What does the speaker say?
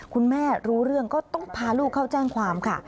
รู้เรื่องก็ต้องพาลูกเข้าแจ้งความค่ะ